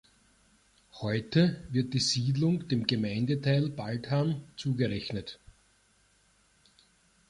Heute wird die Siedlung dem Gemeindeteil Baldham zugerechnet.